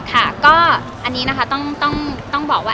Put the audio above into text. ค่ะก็อันนี้นะคะต้องบอกว่า